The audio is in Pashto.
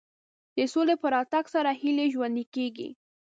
د سولې په راتګ سره هیله ژوندۍ کېږي.